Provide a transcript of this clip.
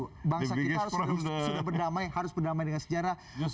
kita harus berdamai dengan sejarah